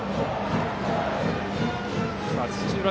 土浦